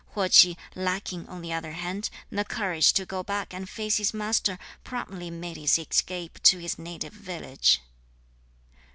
Huo Ch'i, lacking, on the other hand, the courage to go back and face his master, promptly made his escape to his native village.